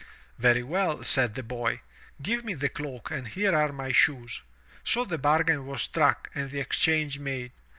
"Very well," said the boy, "give me the cloak and here are my shoes." So the bargain was struck and the exchange made.